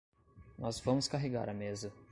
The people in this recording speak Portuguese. Nós vamos carregar a mesa.